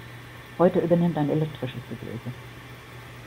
Heute übernimmt ein elektrisches Gebläse.